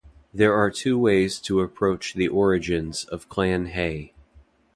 There are two ways to approach the origins of Clan Hay.